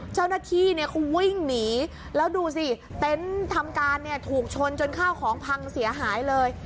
เจ้าหน้าที่เนี่ยเขาวิ่งหนีแล้วดูสิเต็นต์ทำการเนี่ยถูกชนจนข้าวของพังเสียหายเลย